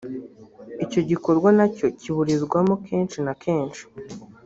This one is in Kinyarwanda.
icyo gikorwa nacyo kiburizwamo kenshi na kenshi